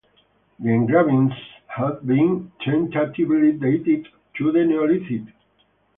The engravings have been tentatively dated to the Neolithic.